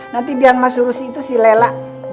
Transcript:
nanti biar masurusi itu si lela